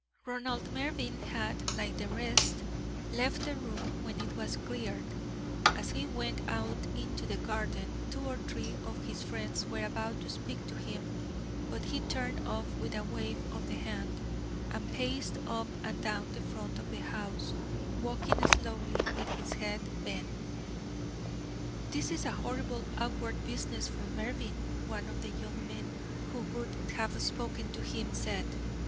Ronald Mervyn had, like the rest, left the room when it was cleared. As he went out into the garden, two or three of his friends were about to speak to him, but he turned off with a wave of the hand, and paced up and down the front of the house, walking slowly, with his head bent. "This is a horribly awkward business for Mervyn," one of the young men, who would have spoken to him, said.